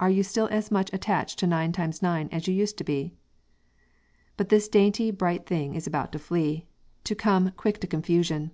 are you still as much attached to 9 times 9 as you used to be?" But this dainty, bright thing is about to flee, to come "quick to confusion."